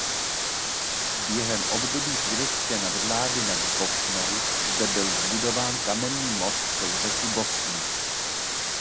Během období turecké nadvlády nad Bosnou zde byl zbudován kamenný most přes řeku Bosnu.